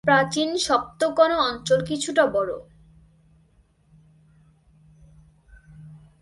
প্রাচীন সপ্তকোণা অঞ্চল কিছুটা বড়।